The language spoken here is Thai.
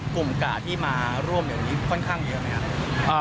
กลุ่มกาที่มาร่วมวันนี้ค่อนข้างเยอะไหมครับ